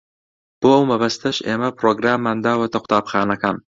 بۆ ئەو مەبەستەش ئێمە پرۆگراممان داوەتە قوتابخانەکان.